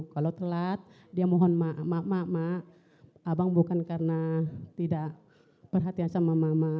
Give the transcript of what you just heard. kalau telat dia mohon maaf mak mak mak mak abang bukan karena tidak perhatian sama mama